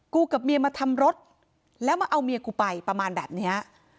กับเมียมาทำรถแล้วมาเอาเมียกูไปประมาณแบบเนี้ย